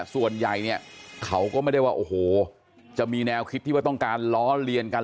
ส่วนใหญ่เนี่ยเขาก็ไม่ได้ว่าโอ้โหจะมีแนวคิดที่ว่าต้องการล้อเลียนกัน